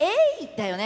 だよね。